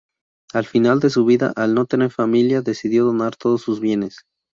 Al final de su vida, al no tener familia, decidió donar todos sus bienes.